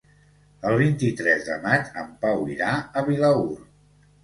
El vint-i-tres de maig en Pau irà a Vilaür.